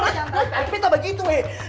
nanti betta begitu eh